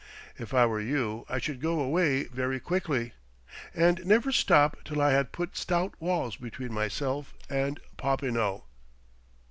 If I were you, I should go away very quickly, and never stop till I had put stout walls between myself and Popinot."